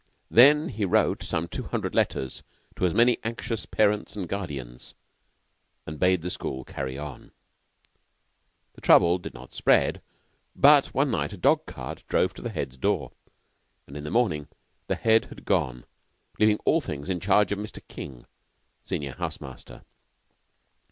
Then he wrote some two hundred letters to as many anxious parents and guardians, and bade the school carry on. The trouble did not spread, but, one night, a dog cart drove to the Head's door, and in the morning the Head had gone, leaving all things in charge of Mr. King, senior house master.